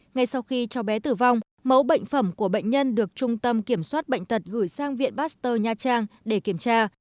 ngay sau khi cháu bé tử vong mẫu bệnh phẩm của bệnh nhân được trung tâm kiểm soát bệnh tật gửi sang viện pasteur nha trang để kiểm tra